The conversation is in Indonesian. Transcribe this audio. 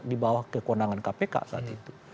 di bawah kekurangan kpk saat itu